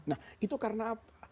nah itu karena apa